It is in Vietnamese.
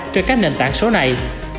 trên các nền tảng số này